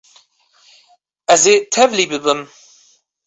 Ez ê tevlî bibim.